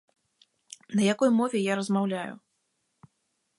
На якой мове я размаўляю?